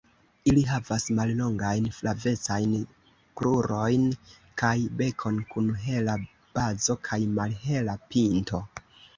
Ili havas mallongajn flavecajn krurojn kaj bekon kun hela bazo kaj malhela pinto.